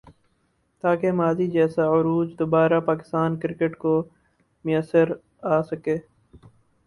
تاکہ ماضی جیسا عروج دوبارہ پاکستان کرکٹ کو میسر آ سکے ۔